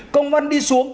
công văn đi xuống